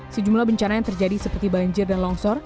sejumlah bencana yang terjadi seperti banjir dan longsor